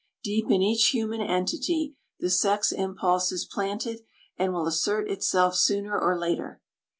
Deep in each human entity the sex impulse is planted, and will assert itself sooner or later.